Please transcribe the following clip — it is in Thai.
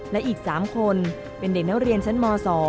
และอีก๓คนเป็นเด็กนักเรียนชั้นม๒